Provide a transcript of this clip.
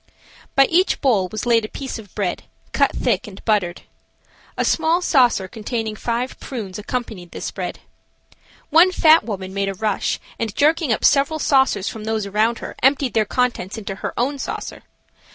By each bowl was laid a piece of bread, cut thick and buttered. A small saucer containing five prunes accompanied the bread. One fat woman made a rush, and jerking up several saucers from those around her emptied their contents into her own saucer.